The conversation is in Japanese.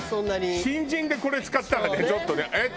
新人でこれ使ったらねちょっとねえっ？